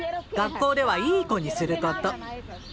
学校ではいい子にすること。